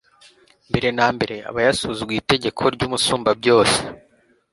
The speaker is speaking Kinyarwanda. mbere na mbere aba yasuzuguye itegeko ry'umusumbabyose